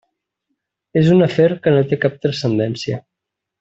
És un afer que no té cap transcendència.